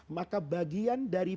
maka bagian dari